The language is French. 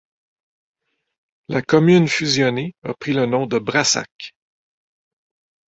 La commune fusionnée a pris le nom de Brassac.